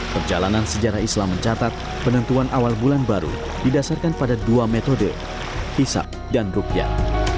perjalanan sejarah islam mencatat penentuan awal bulan baru didasarkan pada dua metode hisap dan rukyat